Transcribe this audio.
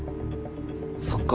そっか。